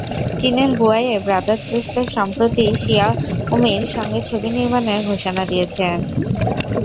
চীনের Huayi Brothers star সম্প্রতি শিয়াওমির সঙ্গে ছবি নির্মাণের ঘোষণা দিয়েছে।